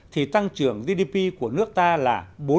thì tăng trưởng gdp của nước ta là bốn